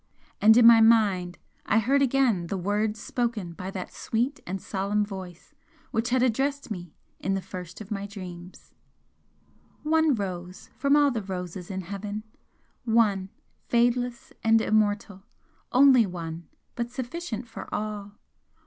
And in my mind I heard again the words spoken by that sweet and solemn Voice which had addressed me in the first of my dreams: "One rose from all the roses in Heaven! One fadeless and immortal only one, but sufficient for all!